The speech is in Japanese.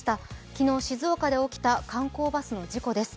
昨日静岡で起きた観光バスの事故です。